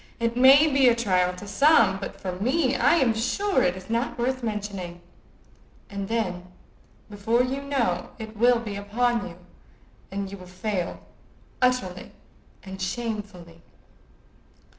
It may be a trial to some, but for me I am sure it is not worth mentioning.' And then, before you know, it will be upon you, and you will fail utterly and shamefully."